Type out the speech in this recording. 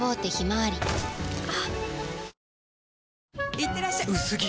いってらっしゃ薄着！